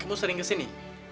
kamu sering kesini